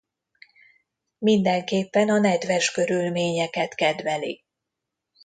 Mindenképpen a nedves körülményeket kedveli.